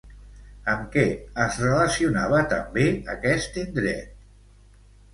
Amb què es relacionava també aquest indret?